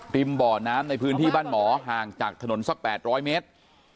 บ่อน้ำในพื้นที่บ้านหมอห่างจากถนนสัก๘๐๐เมตร